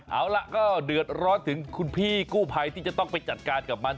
เอาล่ะก็เดือดร้อนถึงคุณพี่กู้ภัยที่จะต้องไปจัดการกับมัน